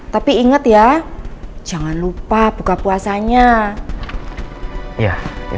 terima kasih ma